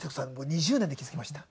２０年で気付きました。